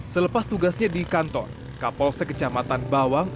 selepas tugasnya di kantor kapolsek kecamatan bawang